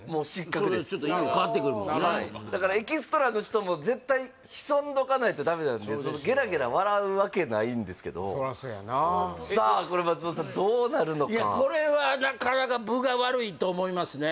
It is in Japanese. それはちょっと意味が変わってくるもんねだからエキストラの人も絶対潜んどかないとダメなんでそのゲラゲラ笑うわけないんですけどそらそやなさあこれ松本さんどうなるのかいやこれはなかなか分が悪いと思いますね